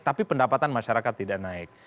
tapi pendapatan masyarakat tidak naik